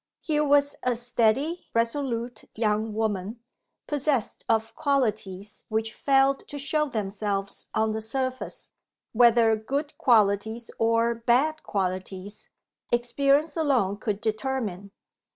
Here was a steady, resolute young woman, possessed of qualities which failed to show themselves on the surface whether good qualities or bad qualities experience alone could determine.